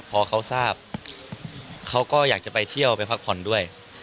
พอเขาทราบเขาก็อยากจะไปเที่ยวไปพักผ่อนด้วย